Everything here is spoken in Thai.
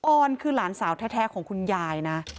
ออนคือหลานสาวแท้ของคุณยายนะ